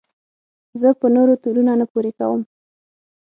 زه په نورو تورونه نه پورې کوم.